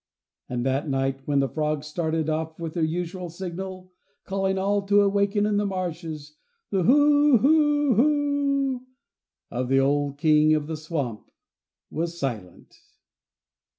And that night when the frogs started off with their usual signal, calling all to awaken in the marshes, the "Who, ho, ho ho, ho ho, o o" of the old King of the swamp was silent.